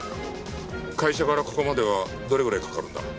会社からここまではどれぐらいかかるんだ？